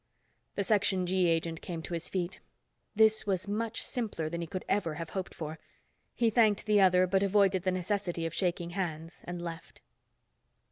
The Section G agent came to his feet. This was much simpler than he could ever have hoped for. He thanked the other, but avoided the necessity of shaking hands, and left.